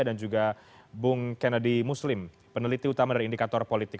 dan juga bung kennedy muslim peneliti utama dari indikator politik